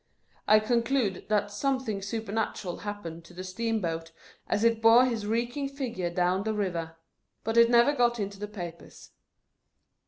I conclude that something supernatural happened to the steam boat, as it bore his reeking figure down the liver ; but it never got into the papers.